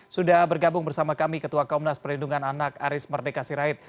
sudah bergabung bersama kami ketua komnas perlindungan anak aris merdeka sirait